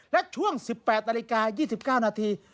และช่วง๑๘นาฬิกา๒๙นาที